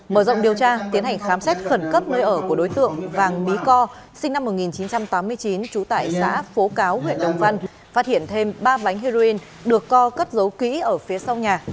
mở rộng điều tra tiến hành khám xét khẩn cấp nơi ở của đối tượng vàng mỹ co sinh năm một nghìn chín trăm tám mươi chín trú tại xã phố cáo huyện đồng văn phát hiện thêm ba bánh heroin được co cất giấu kỹ ở phía sau nhà